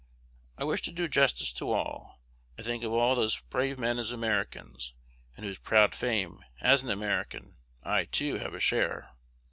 I wish to do justice to all. I think of all those brave men as Americans, in whose proud fame, as an American, I, too, have a share.